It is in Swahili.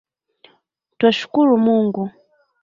Twashkuru Mungu?